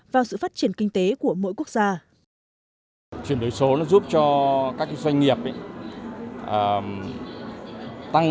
vào sự phát triển kinh tế của mỗi quốc gia